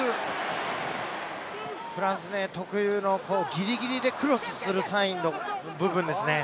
フランス特有のぎりぎりでクロスするサインの部分ですね。